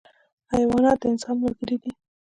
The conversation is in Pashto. حیوانات د انسان ملګري دي.